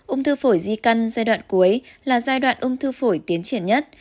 ung thư phổi di căn giai đoạn cuối là giai đoạn ung thư phổi tiến triển nhất